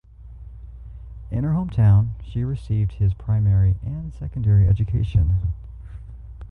In her hometown she received his primary and secondary education.